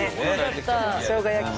しょうが焼き。